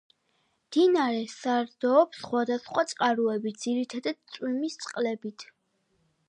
მდინარე საზრდოობს სხვადასხვა წყაროებით, ძირითადად წვიმის წყლებით.